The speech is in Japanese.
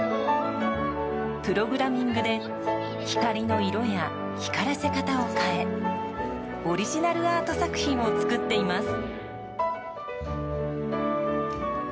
プログラミングで光の色や光らせ方を変えオリジナルアート作品を作っています。